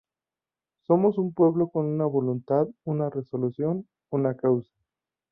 Somos un pueblo con una voluntad, una resolución, una causa.